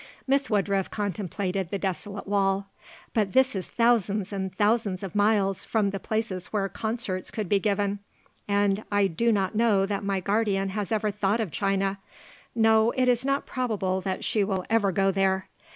Miss Woodruff contemplated the desolate wall. "But this is thousands and thousands of miles from the places where concerts could be given; and I do not know that my guardian has ever thought of China; no, it is not probable that she will ever go there.